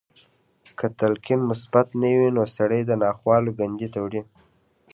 که تلقين مثبت نه وي نو سړی د ناخوالو کندې ته وړي.